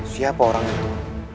siapa orang itu